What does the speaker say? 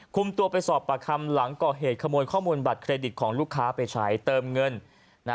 คุมตัวไปสอบปากคำหลังก่อเหตุขโมยข้อมูลบัตรเครดิตของลูกค้าไปใช้เติมเงิน